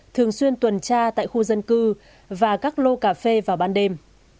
thường xuyên tuần tra tại khu dân cư và các lô cà phê vào ban đêm